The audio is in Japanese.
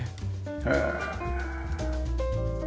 へえ。